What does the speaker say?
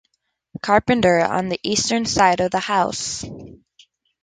Carpenter on the eastern side of the house.